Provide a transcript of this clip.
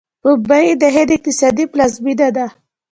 ممبۍ د هند اقتصادي پلازمینه ده.